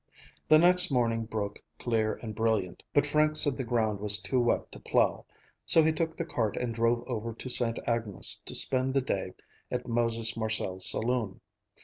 The next morning broke clear and brilliant, but Frank said the ground was too wet to plough, so he took the cart and drove over to Sainte Agnes to spend the day at Moses Marcel's saloon.